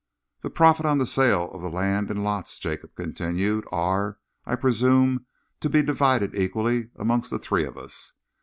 "The profits on the sale of the land in lots," Jacob continued, "are, I presume, to be divided equally amongst the three of us.